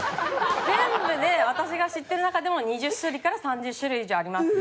全部で私が知ってる中でも２０種類から３０種類以上あります。